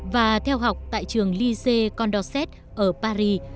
và theo học tại trường lycée condorcet ở paris